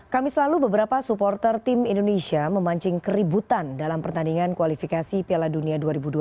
kamis lalu beberapa supporter tim indonesia memancing keributan dalam pertandingan kualifikasi piala dunia dua ribu dua puluh